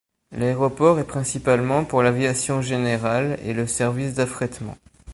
L'aéroport est principalement pour l'aviation générale et le service d'affrètement.